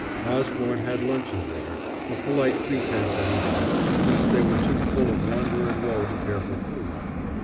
Osborne had luncheon there a polite pretense at eating, since they were too full of wonder and woe to care for food.